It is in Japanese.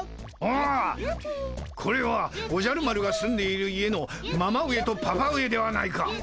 ああこれはおじゃる丸が住んでいる家のママ上とパパ上ではないか。